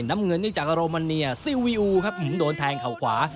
น้ำเงินนี่จากโรมันเนียซิลวิวครับโดนแทงเขาขวา